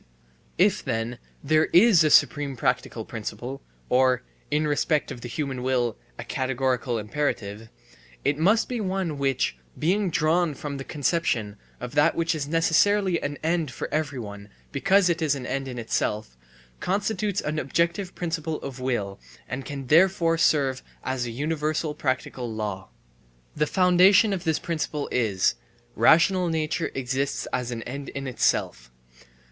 If then there is a supreme practical principle or, in respect of the human will, a categorical imperative, it must be one which, being drawn from the conception of that which is necessarily an end for everyone because it is an end in itself, constitutes an objective principle of will, and can therefore serve as a universal practical law. The foundation of this principle is: rational nature exists as an end in itself.